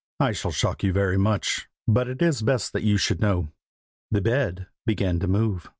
I shall shock you very much, but it is best that you should know. The bed began to move!